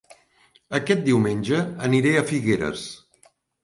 Aquest diumenge aniré a Figueres